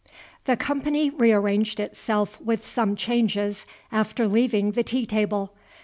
The company rearranged itself with some changes after leaving the tea table.